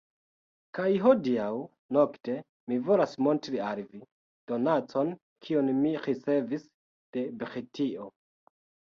Kaj hodiaŭ nokte mi volas montri al vi, donacon kiun mi ricevis de Britio.